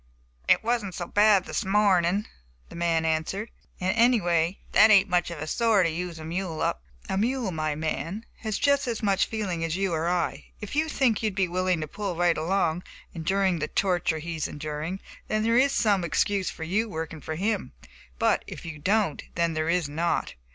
"It wasn't so bad this mornin'," the man answered, "and anyway that ain't much of a sore to use a mule up." "A mule, my man, has just as much feeling as you or I. If you think you would be willing to pull right along, enduring the torture he is enduring, then there is some excuse for you working him, but, if you don't, then there is not.